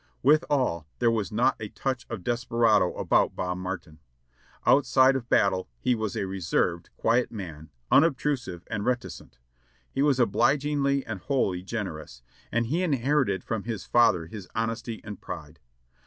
Withal, there was not a touch of the desperado about Bob Mar tin. Outside of battle he was a reserved, quiet man, unobtrusive 668 JOHNNY REB AND BILLY YANK and reticent; he was obliging and wholly generous, and he inher ited from his father his honesty and pride.